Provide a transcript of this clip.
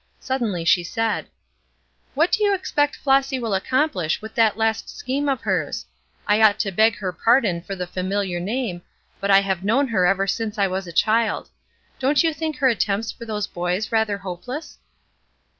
Suddenly she said: "What do you expect Flossy will accomplish with that last scheme of hers? I ought to beg her pardon for the familiar name, but I have known her ever since I was a child. Don't you think her attempts for those boys rather hopeless?"